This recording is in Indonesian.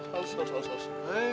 harus harus harus